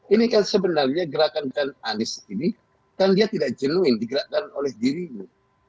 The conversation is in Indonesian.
ini kan sebenarnya gerakan anies ini kan dia tidak jenuin digerakkan oleh dirimu